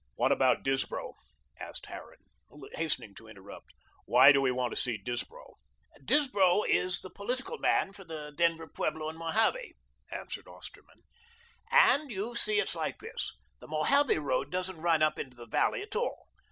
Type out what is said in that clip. "What about Disbrow?" asked Harran, hastening to interrupt. "Why do we want to see Disbrow?" "Disbrow is the political man for the Denver, Pueblo, and Mojave," answered Osterman, "and you see it's like this: the Mojave road don't run up into the valley at all.